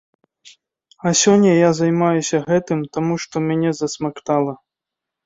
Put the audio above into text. А сёння я займаюся гэтым, таму што мяне засмактала.